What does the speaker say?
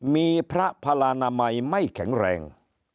มีพระพลานามัยไม่แข็งแรง